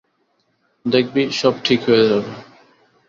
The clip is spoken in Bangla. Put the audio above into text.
দেখবি, সব ঠিক হয়ে যাবে।